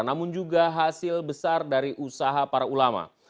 namun juga hasil besar dari usaha para ulama